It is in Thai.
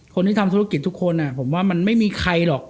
คนที่ทำธุรกิจทุกคนผมว่ามันไม่มีใครหรอก